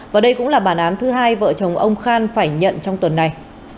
và đây cũng là bản án thứ hai vợ chồng ông khan phải nhận trong tuần này